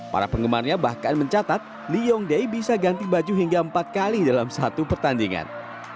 para penggemarnya bahkan mencatat lee yong dae bisa ganti baju hingga empat kali dalam satu pertandingan